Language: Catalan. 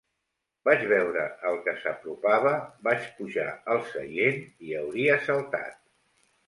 Vaig veure el que s'apropava, vaig pujar al seient i hauria saltat.